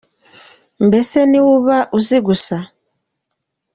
Mbese, ni we uba uzi gusa.